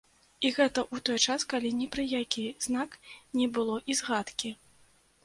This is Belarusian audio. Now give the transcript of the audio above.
І гэта ў той час, калі ні пра які знак не было і згадкі.